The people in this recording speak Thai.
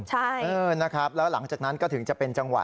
ใช่เออนะครับแล้วหลังจากนั้นก็ถึงจะเป็นจังหวะ